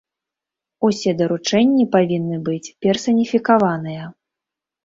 Усе даручэнні павінны быць персаніфікаваныя.